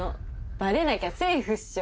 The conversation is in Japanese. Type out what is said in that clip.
バレなきゃセーフっしょ。